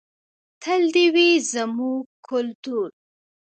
تل دې وي زموږ کلتور.